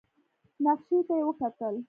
نخشې ته يې وکتل.